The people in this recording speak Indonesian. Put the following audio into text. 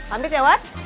amit ya wat